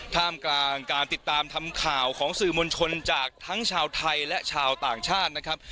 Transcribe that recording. ท่ามกลางการติดตามทำข่าวของสื่อมวลชนจากทั้งชาวไทยและชาวต่างชาตินะครับ